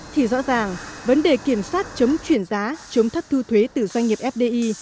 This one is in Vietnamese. thì rõ ràng vấn đề kiểm soát chống chuyển giá chống thất thu thuế từ doanh nghiệp fdi